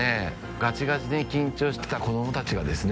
ガチガチに緊張してた子供達がですね